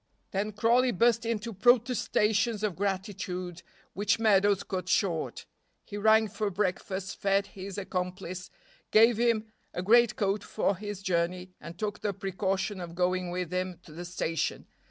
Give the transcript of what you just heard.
Then Crawley burst into protestations of gratitude which Meadows cut short. He rang for breakfast, fed his accomplice, gave him a great coat for his journey, and took the precaution of going with him to the station.